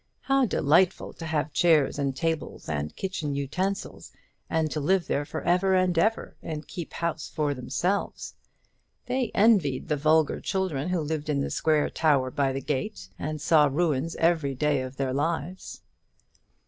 How delightful to have chairs and tables and kitchen utensils, and to live there for ever and ever, and keep house for themselves! They envied the vulgar children who lived in the square tower by the gate, and saw ruins every day of their lives.